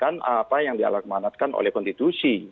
kita menyelamatkan apa yang dialakmanatkan oleh konstitusi